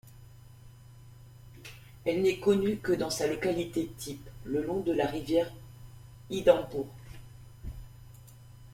Elle n'est connue que dans sa localité type, le long de la rivière Idenburg.